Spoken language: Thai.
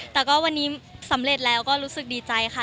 แต่ก็วันนี้สำเร็จแล้วก็รู้สึกดีใจค่ะ